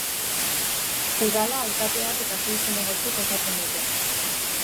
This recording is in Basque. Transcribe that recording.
Udala alkateak eta sei zinegotzik osatzen dute.